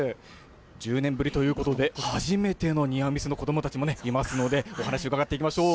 １０年ぶりということで、初めての庭見世の子どもたちもいますので、お話伺っていきましょう。